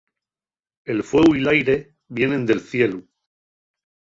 El fueu y l'aire vienen del cielu.